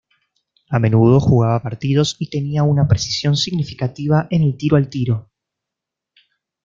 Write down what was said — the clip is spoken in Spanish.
A menudo jugaba partidos y tenía una precisión significativa en el tiro al tiro.